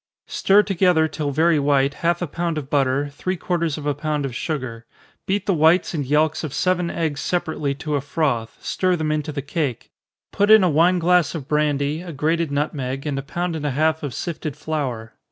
_ Stir together, till very white, half a pound of butter, three quarters of a pound of sugar. Beat the whites and yelks of seven eggs separately to a froth, stir them into the cake put in a wine glass of brandy, a grated nutmeg, and a pound and a half of sifted flour.